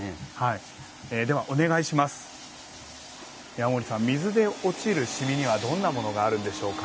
山森さん水で落ちる染みにはどんなものがあるんでしょうか。